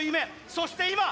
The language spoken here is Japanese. そして今！